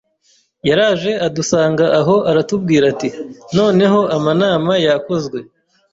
yaraje adusanga aho aratubwira ati noneho amanama yakozwe